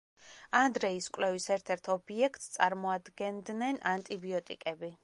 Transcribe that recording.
ანდრეის კვლევის ერთ-ერთ ობიექტს წარმოადგენდნენ ანტიბიოტიკები.